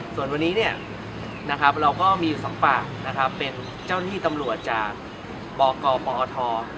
ส่วนวันนี้เราก็มีอยู่สำภาพเป็นเจ้าหน้าที่ตำรวจจากบกบอท